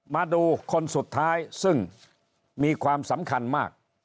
มาดูคนสุดท้ายซึ่งมีความสำคัญมาก